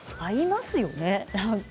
合いますよね。